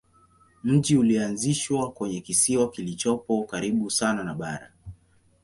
Mji ulianzishwa kwenye kisiwa kilichopo karibu sana na bara.